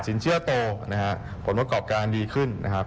ชินเชื่อโตผลประกอบการดีขึ้น